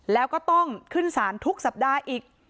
แล้วก็ต้องขึ้นสารทุกสัปดาห์อีก